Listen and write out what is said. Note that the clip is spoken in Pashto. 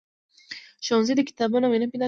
ښوونځی د کتابونو مینه پیدا کوي